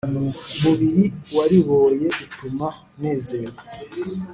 Mubiri wariboye utuma nezerwa